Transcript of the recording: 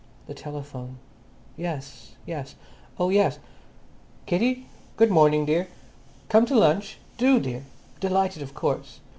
The telephone. "Yes, yes; oh yes. Kitty? Good morning, dear. Come to lunch? Do, dear. Delighted of course.